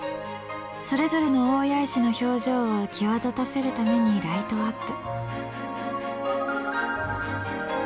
それぞれの大谷石の表情を際立たせるためにライトアップ。